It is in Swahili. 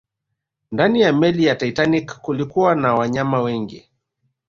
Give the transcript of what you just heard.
Ndani ya meli ya Titanic kulikuwa na wanyama wengi